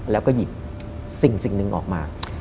แล้วก็หยิบสิ่งหนึ่งออกมา